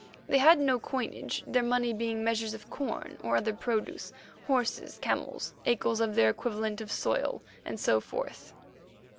They had no coinage, their money being measures of corn or other produce, horses, camels, acres of their equivalent of soil, and so forth.